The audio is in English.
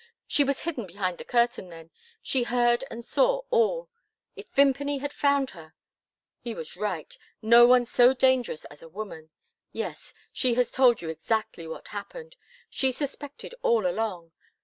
She was hidden behind the curtain, then! She heard and saw all! If Vimpany had found her! He was right. No one so dangerous as a woman. Yes; she has told you exactly what happened. She suspected all along.